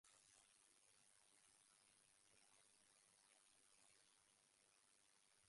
The flags themselves are commonly known as windhorse.